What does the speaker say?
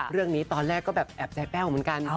เรื่องนี้ตอนแรกก็แบบแอบใจแป้วเหมือนกัน